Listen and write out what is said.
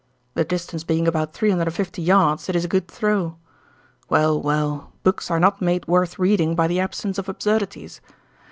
The distance being about three hundred and fifty yards, it is a good throw. Well, well, books are not made worth reading by the absence of absurdities.